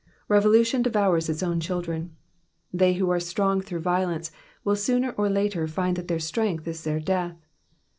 Revolution devours its own children. They who are strong through violence, will sooner or later find that their strength is their death.